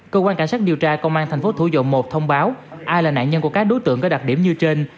cơ quan cảnh sát điều tra công an thành phố thủ dầu một thông báo ai là nạn nhân của các đối tượng có đặc điểm như trên